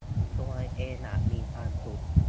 ตัวเองอยากมีความสุข